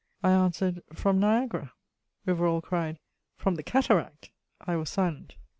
I answered: "From Niagara." Rivarol cried: "From the cataract!" I was silent.